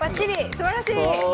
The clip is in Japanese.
すばらしい！